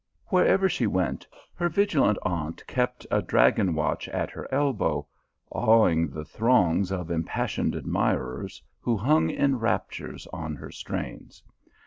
Wherever she went, her vigilant aunt kept a dragon watch at her elbow, awing the throngs of impassioned admirers who hung in raptures on her strains.